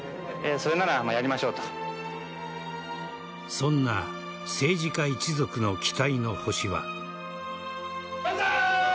そんな政治家一族の期待の星は。